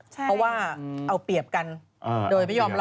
เพราะว่าเอาเปรียบกันโดยไม่ยอมรับ